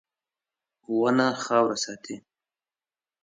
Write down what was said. • ونه خاوره ساتي.